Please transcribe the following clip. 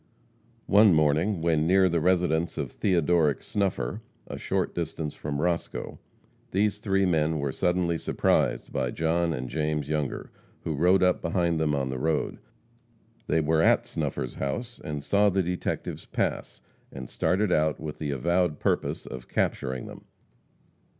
One morning, when near the residence of Theodoric Snuffer, a short distance from Roscoe, these three men were suddenly surprised by John and James Younger, who rode up behind them in the road. They were at Snuffer's house, and saw the detectives pass, and started out with the avowed purpose of capturing them.